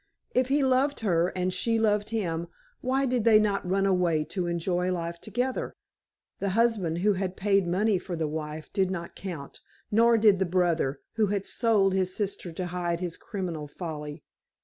If he loved her and she loved him, why did they not run away to enjoy life together? The husband who had paid money for the wife did not count, nor did the brother, who had sold his sister to hide his criminal folly.